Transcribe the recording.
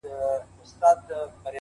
• پر لړمون مي چړې گرځي زړه مي شين دئ -